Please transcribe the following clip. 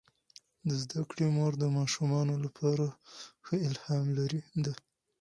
د زده کړې مور د ماشومانو لپاره ښه الهام ده.